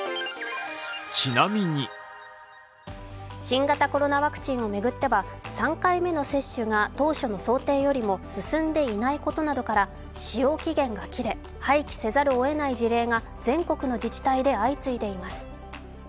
新型コロナワクチンを巡っては３回目の接種が当初の想定よりも進んでいないことなどから使用期限が切れ、廃棄せざるを得ない事例が全国の自治体で相次いでいます。